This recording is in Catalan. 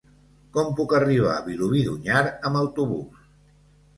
Com puc arribar a Vilobí d'Onyar amb autobús?